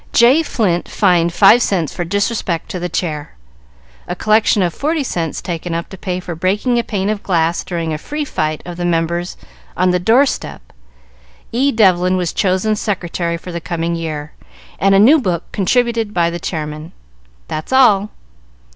J. Flint fined five cents for disrespect to the Chair. A collection of forty cents taken up to pay for breaking a pane of glass during a free fight of the members on the door step. E. Devlin was chosen Secretary for the coming year, and a new book contributed by the Chairman." "That's all."